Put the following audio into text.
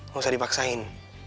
gak usah dipaksain